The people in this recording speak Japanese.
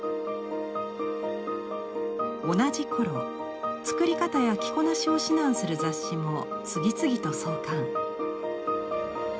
同じ頃作り方や着こなしを指南する雑誌も次々と創刊。